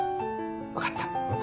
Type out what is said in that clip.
わかった。